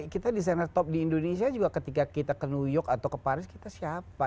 kita desainer top di indonesia juga ketika kita ke new york atau ke paris kita siapa